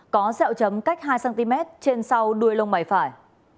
có xeo chấm cách hai cm trên sau đuôi lông mày phải